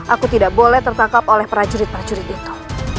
aku tidak boleh tertangkap oleh prajurit prajurit itu